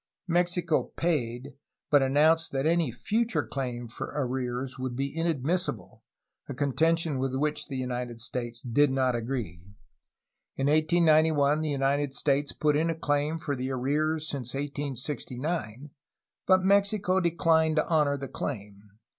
Mexico paid, but announced that any future claim for arrears would be inadmissible, a contention with which the United States did not agree. In 1891 the United States put in a claim for the arrears since 1869, but Mexico declined to honor the claim.